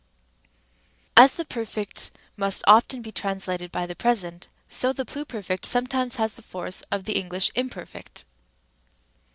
As the perfect must often be translated by the present, so the pluperfect sometimes has the force of the English imperfect.